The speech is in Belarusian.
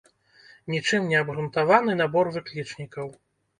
Нічым не абгрунтаваны набор выклічнікаў.